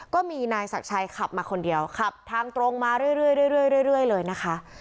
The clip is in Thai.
ก็มีนายศักดิ์ชัยขับมาคนเดียวขับทางตรงมาเรื่อยเลยนะคะ